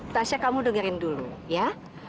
tasha kamu dengerin dulu ya